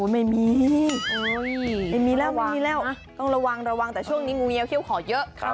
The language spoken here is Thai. ไม่มีไม่มีแล้วต้องระวังระวังแต่ช่วงนี้งูเยี่ยวเข้าขอเยอะ